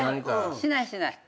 しないしない。